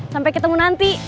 sampai ketemu nanti